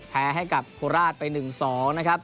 แพ้ให้กับโคราชไป๑๒นะครับ